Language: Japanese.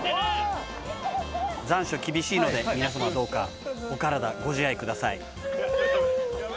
残暑厳しいので、皆様どうかお体ご自愛ください。